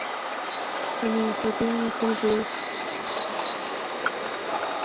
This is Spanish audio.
Administrativamente, el río discurre por los estados de Georgia y de Alabama.